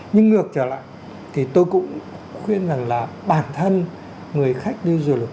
nhưng ngược trở lại thì tôi cũng khuyên rằng là bản thân người khách đi du lịch